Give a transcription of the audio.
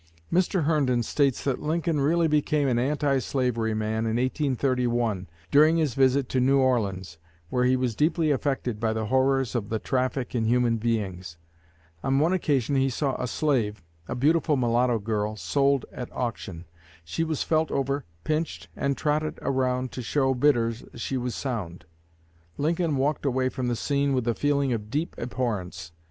Mr. Herndon states that Lincoln really became an anti slavery man in 1831, during his visit to New Orleans, where he was deeply affected by the horrors of the traffic in human beings. On one occasion he saw a slave, a beautiful mulatto girl, sold at auction. She was felt over, pinched, and trotted around to show bidders she was sound. Lincoln walked away from the scene with a feeling of deep abhorrence.